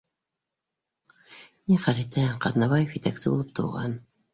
Нихәл итәһең, Ҡаҙнабаев етәксе булып тыуған